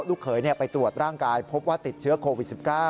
เขยไปตรวจร่างกายพบว่าติดเชื้อโควิด๑๙